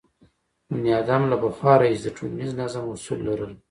بنیادم له پخوا راهیسې د ټولنیز نظم اصول لرل.